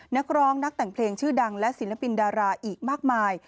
นักร้องนักแต่งเพลงชื่อดังและศิลปินดาราอีกมากมาย